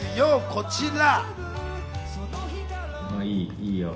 こちら。